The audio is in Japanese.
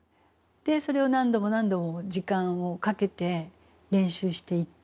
でそれを何度も何度も時間をかけて練習していって。